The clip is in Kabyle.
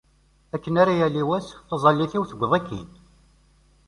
Akken ara yali wass, taẓallit-iw tewweḍ-ik-in.